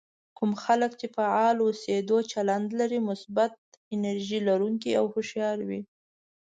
کوم خلک چې فعال اوسېدو چلند لري مثبت، انرژي لرونکي او هوښيار وي.